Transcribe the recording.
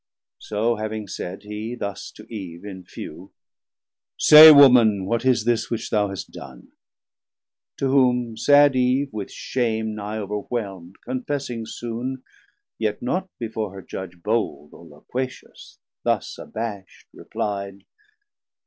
So having said, he thus to Eve in few: Say Woman, what is this which thou hast done? To whom sad Eve with shame nigh overwhelm'd, Confessing soon, yet not before her Judge 160 Bold or loquacious, thus abasht repli'd.